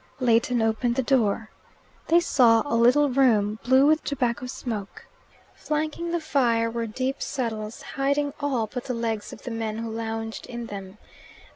Leighton opened the door. They saw a little room, blue with tobacco smoke. Flanking the fire were deep settles hiding all but the legs of the men who lounged in them.